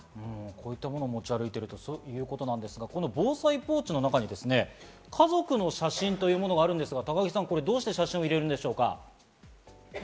こういったものを持ち歩いてるということですが、防災ポーチの中に家族の写真というものがあるんですが、高木さん、どうして写真を入れるんでしょうか？